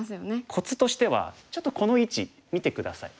コツとしてはちょっとこの位置見て下さい。